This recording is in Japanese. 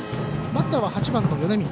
バッターは８番の米満。